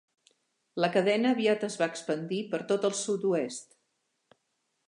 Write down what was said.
La cadena aviat es va expandir per tot el sud-oest.